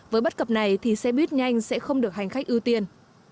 với bất cập này thì xe buýt nhanh sẽ không được hành khách ưu tiên